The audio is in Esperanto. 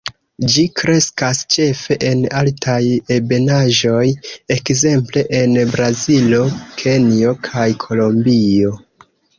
Ĝi kreskas ĉefe en altaj ebenaĵoj, ekzemple, en Brazilo, Kenjo kaj Kolombio.